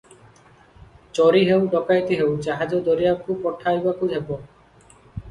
ଚୋରି ହେଉ, ଡକାଏତି ହେଉ, ଜାହାଜ ଦରିଆକୁ ପଠାଇବାକୁ ହେବ ।